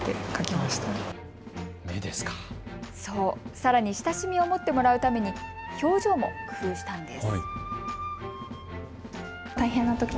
さらに親しみを持ってもらうために表情も工夫したんです。